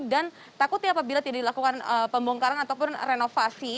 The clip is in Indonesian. dan takutnya apabila tidak dilakukan pembongkaran ataupun renovasi